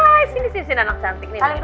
hai sini sini anak cantik